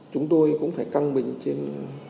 chúng tôi cũng phải căng bình trên